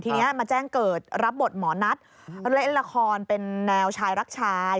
ทีนี้มาแจ้งเกิดรับบทหมอนัทเล่นละครเป็นแนวชายรักชาย